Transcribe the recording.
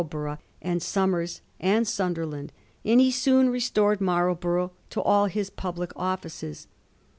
borough and Somers and Sunderland, and he soon restored Marlborough to all his public offices.